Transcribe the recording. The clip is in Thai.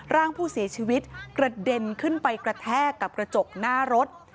ร่างผู้เสียชีวิตกระเด็นขึ้นไปกระแทกกับกระจกหน้ารถ